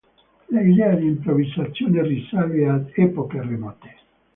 L'idea di improvvisazione risale ad epoche remote.